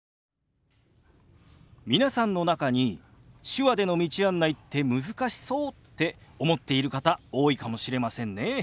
皆さんの中に手話での道案内って難しそうって思っている方多いかもしれませんね。